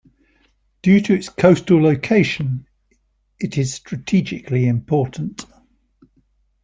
Due to its coastal location, it is strategically important.